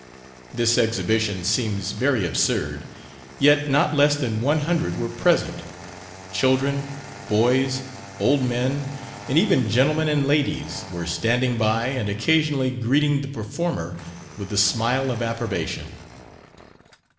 This exhibition seems very absurd, yet not less than one hundred were present children, boys, old men, and even gentlemen and ladies, were standing by, and occasionally greeting the performer with the smile of approbation.